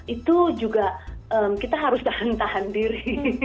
itu juga kita harus tahan tahan diri